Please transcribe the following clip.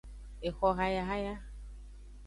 Exohayahaya.